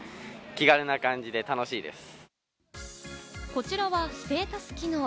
こちらはステータス機能。